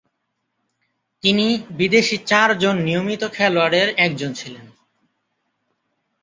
তিনি বিদেশী চারজন নিয়মিত খেলোয়াড়ের একজন ছিলেন।